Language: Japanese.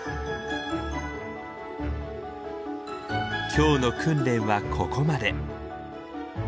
今日の訓練はここまで。